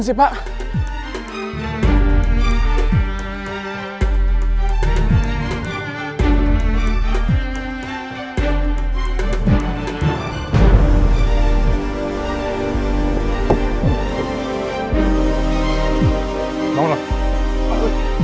lepaskan sih pak